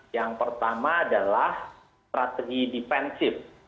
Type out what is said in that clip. yang pertama adalah strategi defensif